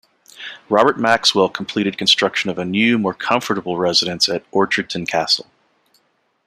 Robert Maxwell completed construction of a new, more comfortable residence at Orchardton Castle.